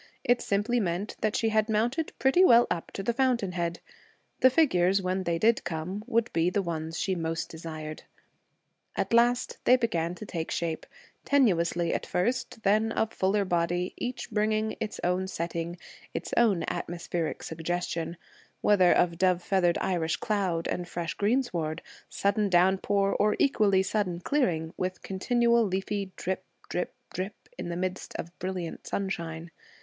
It simply meant that she had mounted pretty well up to the fountain head. The figures, when they did come, would be the ones she most desired. At last, they began to take shape, tenuously at first, then of fuller body, each bringing its own setting, its own atmospheric suggestion whether of dove feathered Irish cloud and fresh greensward, sudden downpour, or equally sudden clearing, with continual leafy drip, drip, drip, in the midst of brilliant sunshine.